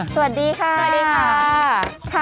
สวัสดีค่ะสวัสดีค่ะ